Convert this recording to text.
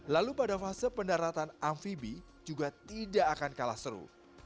lalu pada fase pendaratan amfibi juga tidak akan kalah seru